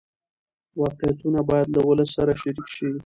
واقعیتونه باید له ولس سره شریک شي.